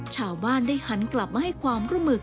ชาวบ้านได้หันกลับมาให้ความร่วมมือ